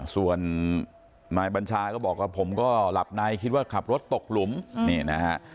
ส่วนนายบัญชาก็บอกว่าผมก็หลับในคิดว่าขับรถตกหลุมนี่นะฮะ